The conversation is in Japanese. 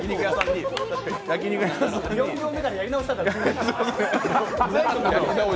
４行目からやり直した方がいい。